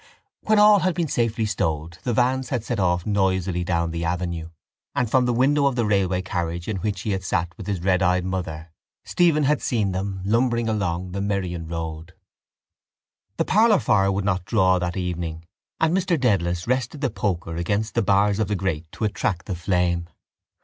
When all had been safely stowed the vans had set off noisily down the avenue: and from the window of the railway carriage, in which he had sat with his redeyed mother, Stephen had seen them lumbering along the Merrion Road. The parlour fire would not draw that evening and Mr Dedalus rested the poker against the bars of the grate to attract the flame.